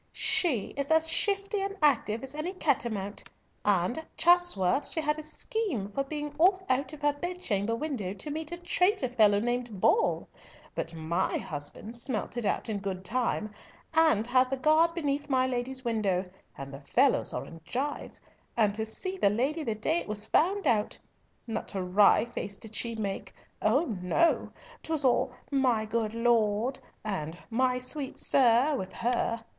"She is as shifty and active as any cat a mount; and at Chatsworth she had a scheme for being off out of her bedchamber window to meet a traitor fellow named Boll; but my husband smelt it out in good time, and had the guard beneath my lady's window, and the fellows are in gyves, and to see the lady the day it was found out! Not a wry face did she make. Oh no! 'Twas all my good lord, and my sweet sir with her.